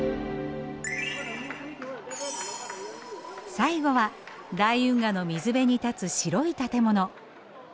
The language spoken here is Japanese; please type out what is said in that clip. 最後は大運河の水辺に立つ白い建物。